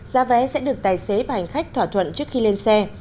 giá vé sẽ được tài xế và hành khách thỏa thuận trước khi lên xe